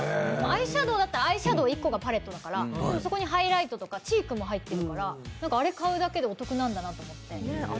アイシャドウだったらアイシャドウ１個がパレットだからそこにハイライトとかチークも入ってるからあれ買うだけでお得なんだなって。